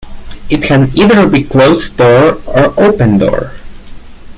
It can either be closed door or open door.